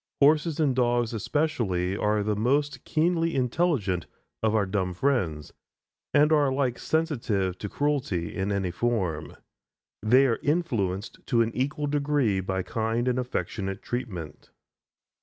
Horses and dogs especially are the most keenly intelligent of our dumb friends, and are alike sensitive to cruelty in any form. They are influenced to an equal degree by kind and affectionate treatment.